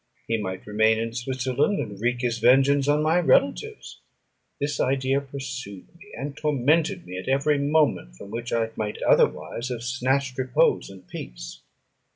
He might remain in Switzerland, and wreak his vengeance on my relatives. This idea pursued me, and tormented me at every moment from which I might otherwise have snatched repose and peace.